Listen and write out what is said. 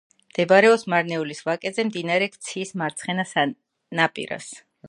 მდებარეობს მარნეულის ვაკეზე, მდინარე ქციის მარცხენა ნაპირას.